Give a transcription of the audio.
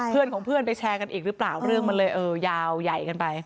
เพื่อนของเพื่อนไปแชร์กันอีกหรือเปล่าเรื่องมันเลยเออยาวใหญ่กันไป